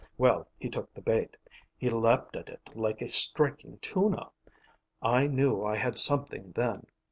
Well, he took the bait. He leaped at it like a striking tuna. I knew I had something then.